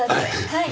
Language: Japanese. はい。